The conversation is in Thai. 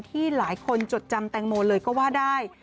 ที่หลายคนจดจำแตงโมเลยก็ว่าได้